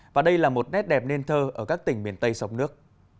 và đây là một nét đẹp nên thơ ở các tỉnh miền tây sông nước